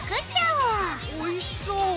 おいしそう！